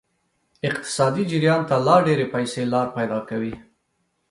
اقتصادي جریان ته لا ډیرې پیسې لار پیدا کوي.